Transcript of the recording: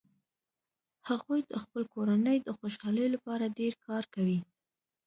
هغوي د خپلې کورنۍ د خوشحالۍ لپاره ډیر کار کوي